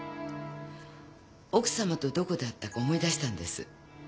奥様とどこで会ったか思い出したんです。